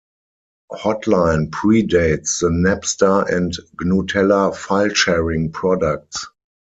Hotline predates the Napster and Gnutella file sharing products.